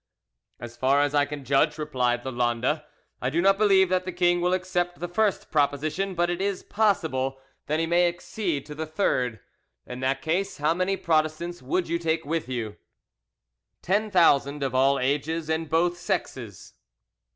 "As far as I can judge," replied Lalande, "I do not believe that the king will accept the first proposition, but it is possible that he may accede to the third. In that case, how many Protestants would you take with you?" "Ten thousand of all ages and both sexes."